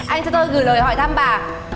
anh cho tôi gửi lời hỏi thăm bà